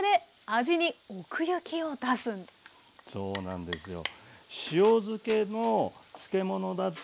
あそうなんですね。